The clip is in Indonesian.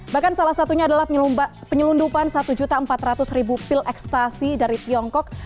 bahkan salah satunya adalah penyelundupan satu empat ratus pil ekstasi dari tiongkok